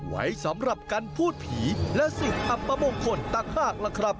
ไว้สำหรับการพูดผีและสิ่งอัปมงคลต่างหากล่ะครับ